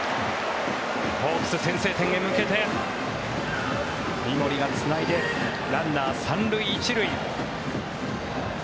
ホークス、先制点へ向けて三森がつないでランナー３塁１塁。